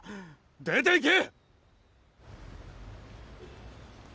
出て行け！